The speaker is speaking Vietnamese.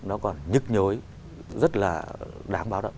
nó còn nhức nhối rất là đáng báo đạo